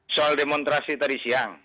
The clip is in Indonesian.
soal demonstrasi tadi siang